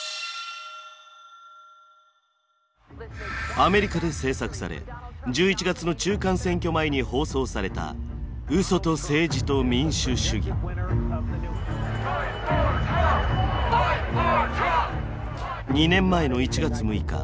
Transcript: アメリカで制作され１１月の中間選挙前に放送された２年前の１月６日。